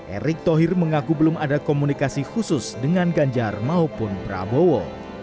erick thohir mengaku belum ada komunikasi khusus dengan ganjar maupun prabowo